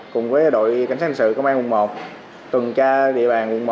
cùng với đội cảnh sát hành sự công an quận một tuần tra địa bàn quận một